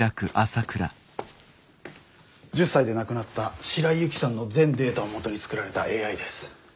１０才で亡くなった白井雪さんの全データをもとに作られたＡＩです。